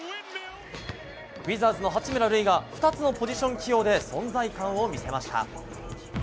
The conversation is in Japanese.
ウィザーズの八村塁が２つのポジション起用で存在感を見せました。